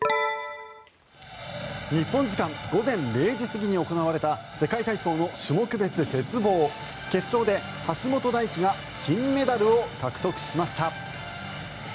日本時間午前０時過ぎに行われた世界体操の種目別鉄棒決勝で橋本大輝が金メダルを獲得しました。